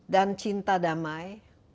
dan cinta damai